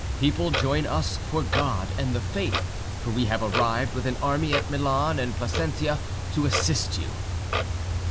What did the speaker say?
People, join us for God and the Faith, for we have arrived with an army at Milan and Placentia to assist you!"